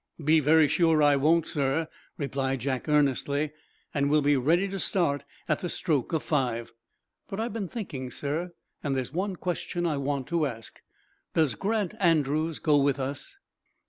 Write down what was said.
"Be very sure I won't, sir," replied Jack, earnestly. "And we'll be ready to start at the stroke of five. But I've been thinking, sir, and there's one question I want to ask. Does Grant Andrews go with us?